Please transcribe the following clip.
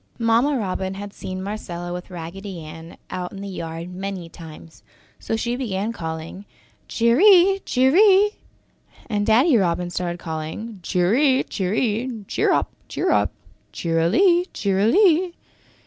Mamma Robin had seen Marcella with Raggedy Ann out in the yard many times, so she began calling "Cheery! Cheery!" and Daddy Robin started calling "Cheery! Cheery! Cheer up! Cheer up! Cheerily Cheerily!